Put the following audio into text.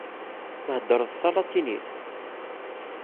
Theddreḍ talatinit?